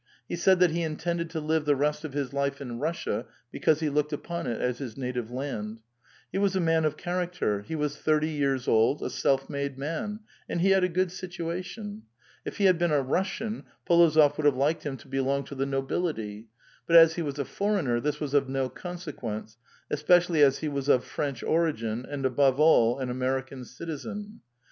He said that he intended to live the rest of his life in Kussia because he looked upon it as his native land. lie was a man of charac ter ; he was thirty years old, a self made man ; and he had a good situation. If he had been a Russian, P61ozof would have liked him to belong to the nobility.^ But as he was a foreigner, this was of no consequence, especially as he was of French origin, and, above all, an American citizen.